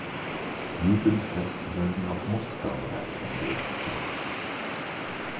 Jugendfestival nach Moskau reisen durfte.